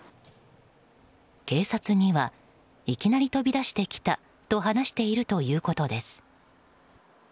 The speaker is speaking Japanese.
警察にはいきなり飛び出してきたと話しているということです。